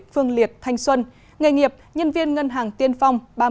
phương liệt thanh xuân nghề nghiệp nhân viên ngân hàng tiên phong